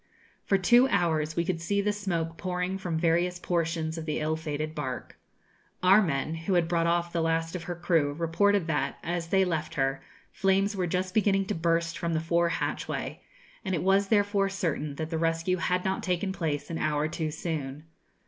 For two hours we could see the smoke pouring from various portions of the ill fated barque. Our men, who had brought off the last of her crew, reported that, as they left her, flames were just beginning to burst from the fore hatchway; and it was therefore certain that the rescue had not taken place an hour too soon.